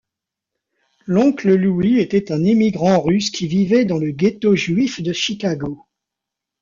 L'oncle Louis était un émigrant russe qui vivait dans le ghetto juif de Chicago.